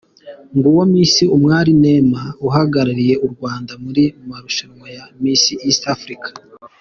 Nguwo Miss Umwali Neema uhagarariye u Rwanda mu marushanwa ya Miss East Africa.